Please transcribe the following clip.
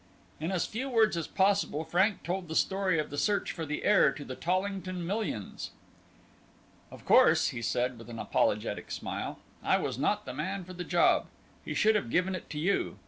In as few words as possible Frank told the story of the search for the heir to the Tollington millions. "Of course," he said, with an apologetic smile, "I was not the man for the job he should have given it to you.